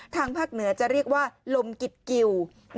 ทางภาคเหนือจะเรียกว่าลมกิดกิว